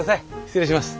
失礼します。